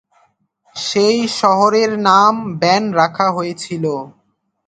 সেই শহরের নাম বেন রাখা হয়েছিল।